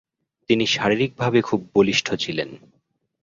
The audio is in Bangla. তিনি শারীরিকভাবে খুব বলিষ্ঠ ছিলেন।